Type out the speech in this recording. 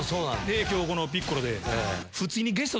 今日ピッコロで。